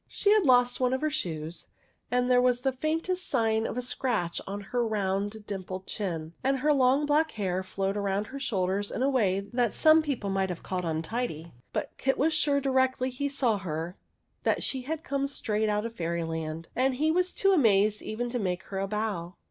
i6 THE WEIRD WITCH She had lost one of her shoes, and there was the faintest sign of a scratch on her round, dimpled chin, and her long black hair flowed round her shoulders in a way that some people might have called untidy ; but Kit was sure, directly he saw her, that she had come straight out of Fairyland, and he was too amazed even to make her a bow.